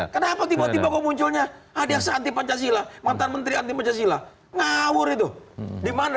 kenapa tiba tiba kok munculnya ada yang seanti pancasila mantan menteri anti pancasila ngawur itu dimana